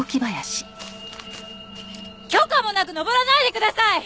許可もなく登らないでください！